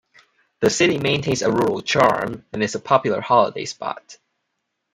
The city maintains a rural charm and is a popular holiday spot.